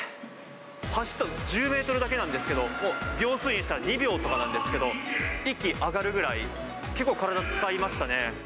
走ったの１０メートルだけなんですけど、秒数にしたら２秒とかなんですけど、息上がるくらい、結構、体使いましたね。